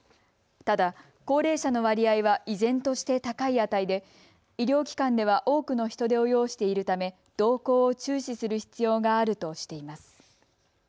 ただ高齢者の割合は依然として高い値で医療機関では多くの人手を要しているため動向を注視する必要があるとしています。